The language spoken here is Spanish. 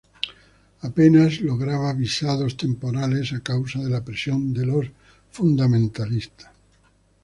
Apenas lograba visados temporales a causa de la presión de los fundamentalistas.